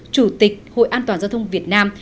chủ tịch hội an toàn giao thông việt nam